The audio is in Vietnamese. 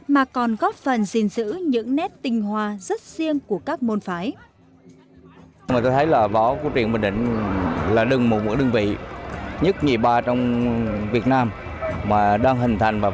mà còn góp phần gìn giữ những nét tinh hoa rất riêng của các võ sĩ